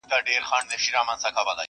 له غزل غزل د میني له داستانه ښایسته یې,